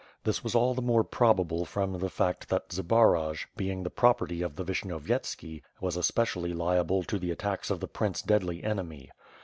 This was all the more proba ble from the fact that Zbaraj, being the property of the Vish nyovyetski, was especially liable to the attacks of the prince's deadly enemy.